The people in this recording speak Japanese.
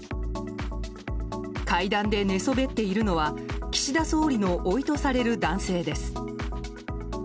階段で寝そべっているのは岸田総理のおいとされる男性です。